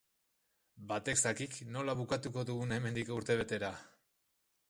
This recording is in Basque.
Batek zakik nola bukatuko dugun hemendik urtebetera...